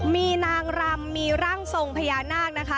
มีนางรำมีร่างทรงพญานาคนะคะ